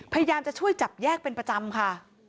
พยายามจะช่วยจับแยกเป็นประจำค่ะ